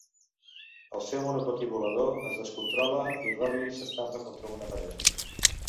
El seu monopatí volador es descontrola i Robbie s'estampa contra una paret.